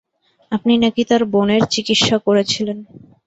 আপনি নাকি তার বোনের চিকিৎসা করেছিলেন।